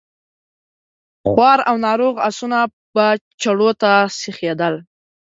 خوار او ناروغ آسونه به چړو ته سيخېدل.